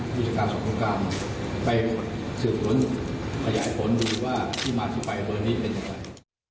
ผู้จัดการสอบอันการไปสื่อผลขยายผลดูว่าที่มาที่ไปเบอร์นี้เป็นอะไร